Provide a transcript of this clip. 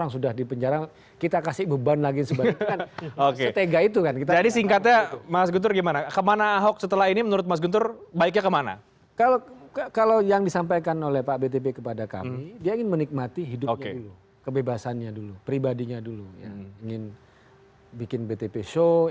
sudah hadir di prime news